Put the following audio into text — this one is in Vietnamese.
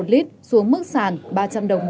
một lít xuống mức sàn ba trăm linh đồng